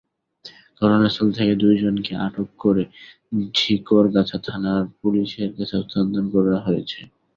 ঘটনাস্থল থেকে দুজনকে আটক করে ঝিকরগাছা থানার পুলিশের কাছে হস্তান্তর করা হয়েছে।